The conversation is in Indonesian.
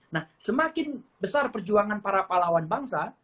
nah semakin besar perjuangan para pahlawan bangsa